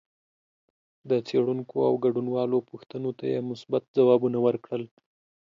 د څېړونکو او ګډونوالو پوښتنو ته یې مثبت ځوابونه ورکړل